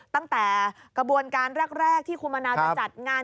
ตั้งแต่กระบวนการแรกที่คุณมะนาวจะจัดงาน